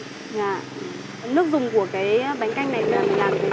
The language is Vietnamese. dạ nước dùng của cái bánh canh này là